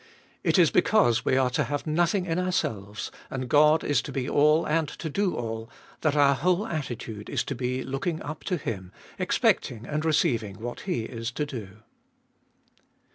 It is because we are to have nothing in ourselues, and Qod is to be all and to do all, that our whole attitude is to be looking up to Him, expecting and receiving what He is to do.